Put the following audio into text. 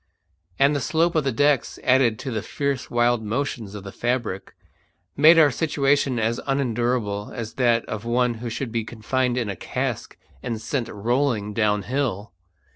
And the slope of the decks, added to the fierce wild motions of the fabric, made our situation as unendurable as that of one who should be confined in a cask and sent rolling downhill.